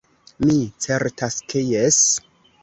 Mi certas ke jes.